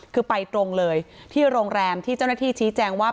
คือไปตรงเลยที่โรงแรมที่เจ้าหน้าที่ชี้แจงว่า